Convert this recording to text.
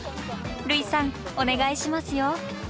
類さんお願いしますよ。